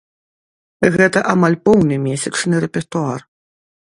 Гэта амаль поўны месячны рэпертуар.